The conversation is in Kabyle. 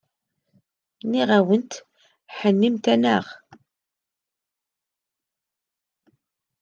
Nniɣ-awent hennimt-aneɣ.